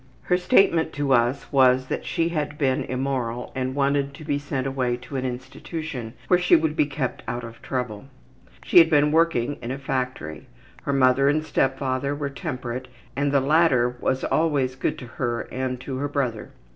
Her statement to us was that she had been immoral and wanted to be sent away to an institution where she would be kept out of trouble. She had been working in a factory. Her mother and step father were temperate and the latter was always good to her and to her brother.